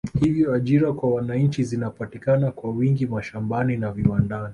Hivyo ajira kwa wananchi zinapatikana kwa wingi mashambani na viwandani